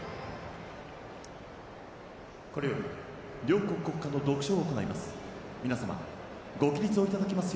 これより両国国歌の独唱を行います。